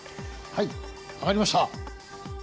はい上がりました。